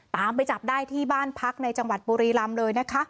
ไปจับได้ที่บ้านพักในจังหวัดบุรีรำเลยนะคะ